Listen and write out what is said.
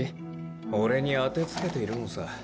俺に当てつけているのさ。